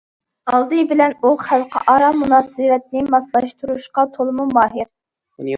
ئالدى بىلەن ئۇ خەلقئارا مۇناسىۋەتنى ماسلاشتۇرۇشقا تولىمۇ ماھىر.